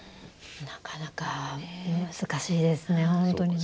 なかなか難しいですね、本当に。